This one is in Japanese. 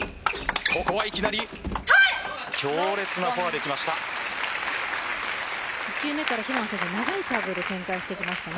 ここはいきなり強烈なフォアできました。